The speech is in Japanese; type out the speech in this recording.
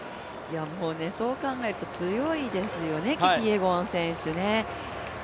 そう考えると強いですよね、キピエゴン選手。